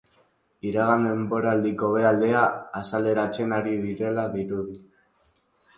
Iragan denboraldiko b aldea azaleratzen ari direla dirudi.